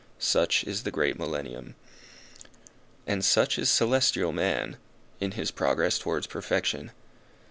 Such is the great Millennium. And such is celestial man, in his progress towards perfection.